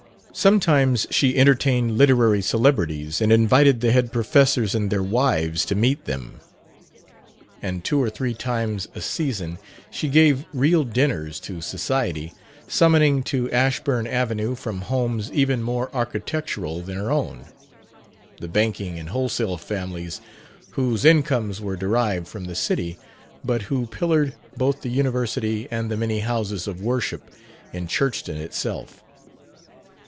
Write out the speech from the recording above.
Sometimes she entertained literary celebrities, and invited the head professors and their wives to meet them. And two or three times a season she gave real dinners to "society," summoning to Ashburn avenue, from homes even more architectural than her own, the banking and wholesale families whose incomes were derived from the city, but who pillared both the university and the many houses of worship in Churchton itself.